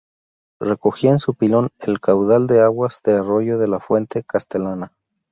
Recogía en su pilón el caudal de aguas del arroyo de la Fuente Castellana.